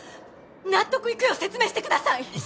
納得いくよう説明してください！